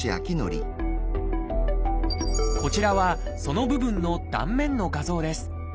こちらはその部分の断面の画像です。